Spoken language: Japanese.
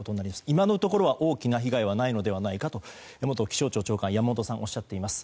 今のところは大きな被害はないのではないかと元気象庁長官、山本さんはおっしゃっています。